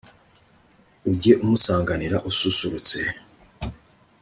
ujye umusanganira ususurutse